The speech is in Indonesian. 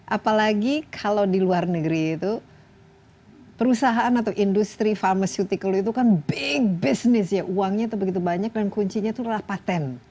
apalagi kalau di luar negeri itu perusahaan atau industri pharmaceutical itu kan bank business ya uangnya itu begitu banyak dan kuncinya itu adalah patent